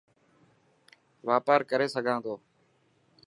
واپار ڪري سگھان ٿو.